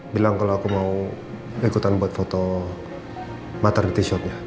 bilang kalo aku mau ikutan buat foto maternity shotnya